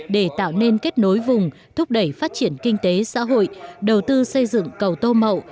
để tạo nên kết nối vùng thúc đẩy phát triển kinh tế xã hội đầu tư xây dựng cầu tô mậu